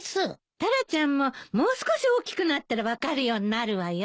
タラちゃんももう少し大きくなったら分かるようになるわよ。